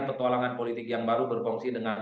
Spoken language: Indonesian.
petualangan politik yang baru berfungsi dengan